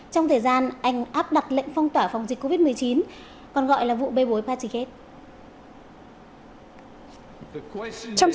trong thời gian anh áp đặt lệnh phong tỏa phòng dịch covid một mươi chín còn gọi là vụ bê bối patriget